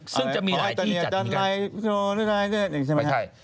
ซึ่งจะมีหลายที่จัดที่มีการ